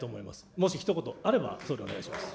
もしひと言あれば総理、お願いします。